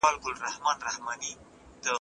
زه کولای شم دا دروند بکس یوازې پورته کړم.